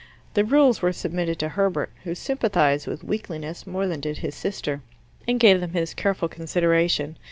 The rules were submitted to Herbert, who sympathized with weakliness more than did his sister, and gave them his careful consideration.